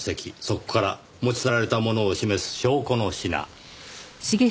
そこから持ち去られたものを示す証拠の品。